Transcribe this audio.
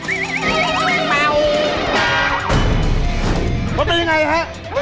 ตียังไงแฮะ